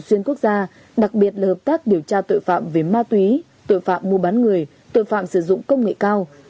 xuyên quốc gia đặc biệt là hợp tác điều tra tội phạm về ma túy tội phạm mua bán người tội phạm sử dụng công nghệ cao